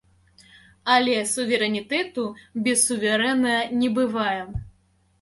Але суверэнітэту без суверэна не бывае.